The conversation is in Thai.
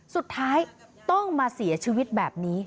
สุดท้ายต้องมาเสียชีวิตแบบนี้